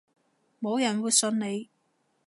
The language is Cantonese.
冇人會信你